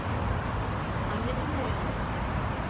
Annesi nerede?